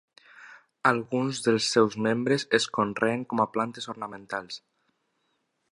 Alguns dels seus membres es conreen com a plantes ornamentals.